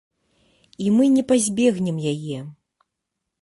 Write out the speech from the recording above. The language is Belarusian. І мы не пазбегнем яе.